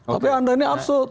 tapi anda ini absurd